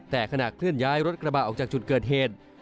แต่ขณะเคลื่อนย้ายรถกระบะออกจากจุดเกิดเหตุ